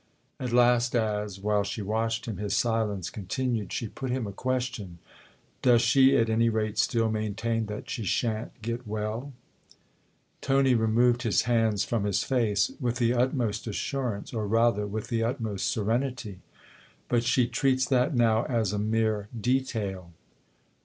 At last as, while she watched him, his silence continued, she put him a question. " Does she at any rate still maintain that she shan't get well ?" Tony removed his hands from his face. " With the utmost assurance or rather with the utmost serenity. But she treats that now as a mere detail."